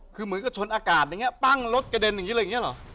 คือเหมือนกับชนอากาศอย่างนี้ปั้งรถกระเด็นอย่างนี้เลยอย่างนี้เหรอ